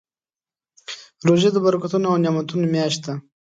روژه د برکتونو او نعمتونو میاشت ده.